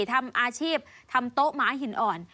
ทำอาชีพทำโต๊ะหมาหินอ่อน